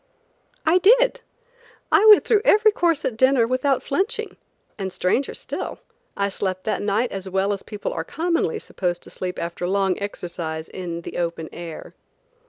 I did. I went through every course at dinner without flinching, and stranger still, I slept that night as well as people are commonly supposed to sleep after long exercise in the open air.